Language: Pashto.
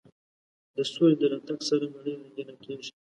د سولې د راتګ سره نړۍ رنګینه کېږي.